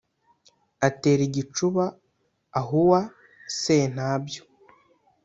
atera igicúba ahuwa séntabyó